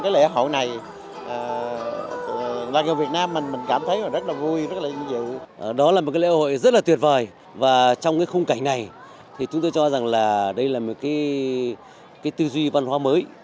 chúng tôi cho rằng là đây là một cái tư duy văn hóa mới